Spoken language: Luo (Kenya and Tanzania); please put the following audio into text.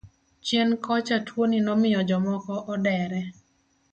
Chien kocha tuoni nomiyo jomoko odere.